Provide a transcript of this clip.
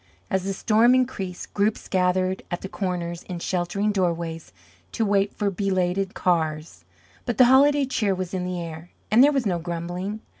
As the storm increased, groups gathered at the corners and in sheltering doorways to wait for belated cars; but the holiday cheer was in the air, and there was no grumbling.